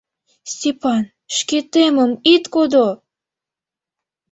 Степан, шкетемым ит кодо!..